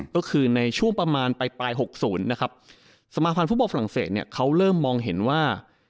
ก็คือในช่วงประมาณปลาย๖๐นะครับสมาภัณฑ์ฟุตบอลฝรั่งเศสเขาเริ่มมองเห็นว่า